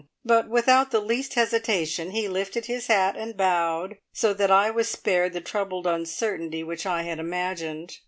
but without the least hesitation he lifted his hat, and bowed, so that I was spared the troubled uncertainty which I had imagined.